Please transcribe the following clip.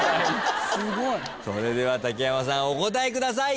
それでは竹山さんお答えください。